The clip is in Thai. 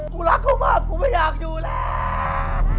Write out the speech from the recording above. กูรักเขามากกูไม่อยากอยู่แล้ว